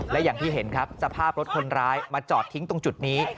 และอย่างที่เห็นครับสภาพรถคนร้ายมาจอดทิ้งตรงจุดนี้